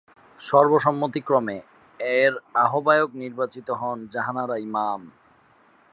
সর্বসম্মতিক্রমে এর আহ্বায়ক নির্বাচিত হন জাহানারা ইমাম।